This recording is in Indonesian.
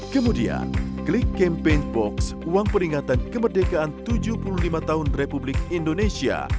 kemudian klik campaign box uang peringatan kemerdekaan tujuh puluh lima tahun republik indonesia